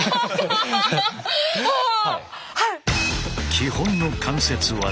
基本の関節技。